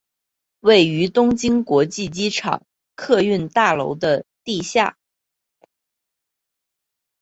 位于东京国际机场客运大楼的地下。